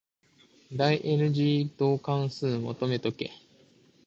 第 n 次導関数求めとけ。